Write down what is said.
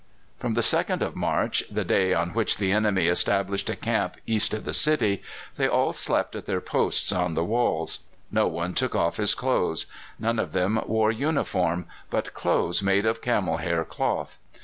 From the 2nd of March, the day on which the enemy established a camp east of the city, they all slept at their posts on the walls. No one took off his clothes. None of them wore uniform, but clothes made of camel hair cloth.